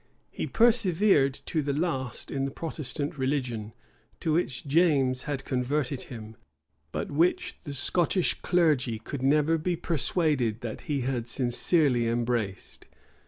He persevered to the last in the Protestant religion, to which James had converted him, but which the Scottish clergy could never be persuaded that he had sincerely embraced.